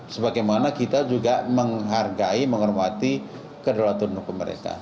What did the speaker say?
sebagaimana kita juga menghargai menghormati kedaulatan hukum mereka